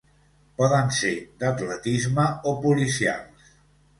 Poden ser d'atletisme o policials.